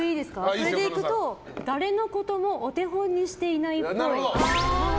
それでいくと誰のこともお手本にしていないっぽい。